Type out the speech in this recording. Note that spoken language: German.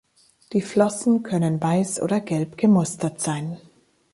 Die Flossen können weiß oder gelb gemustert sein.